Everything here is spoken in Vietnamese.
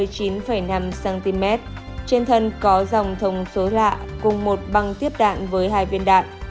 hai mươi chín năm cm trên thân có dòng thông số lạ cùng một băng tiếp đạn với hai viên đạn